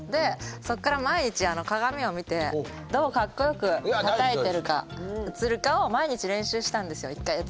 そこから毎日鏡を見てどうかっこよくたたいてるか映るかを毎日練習したんですよ１か月。